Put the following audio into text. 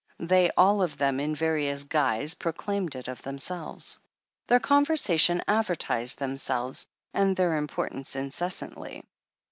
They all of them, in various guise, proclaimed it of themselves. Their con versation advertised themselves and their importance incessantly.